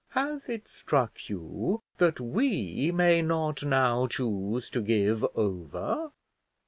Has it struck you that we may not now choose to give over?